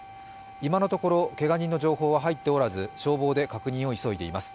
今のところ、けが人の情報は入って折らず消防で確認を急いでいます。